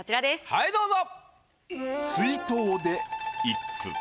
はいどうぞ。